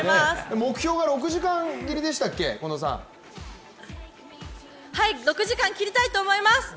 目標が６時間切りでしたっけはい、６時間切りたいと思います！